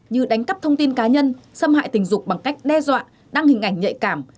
như đánh cắp thông tin cá nhân xâm hại tình dục bằng cách đe dọa đăng hình ảnh nhạy cảm